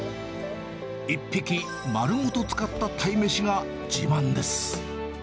１匹丸ごと使った鯛めしが自慢です。